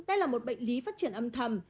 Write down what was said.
đây là một bệnh lý phát triển âm thầm